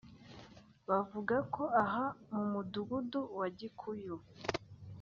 bavuga ko aha mu mudugudu wa Gikuyu